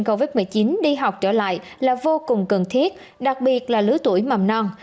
covid một mươi chín đi học trở lại là vô cùng cần thiết đặc biệt là lứa tuổi mầm non